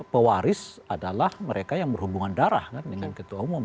pewaris adalah mereka yang berhubungan darah kan dengan ketua umum